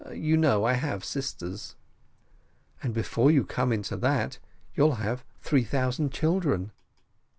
You know I have sisters." "And before you come into that you'll have three thousand children."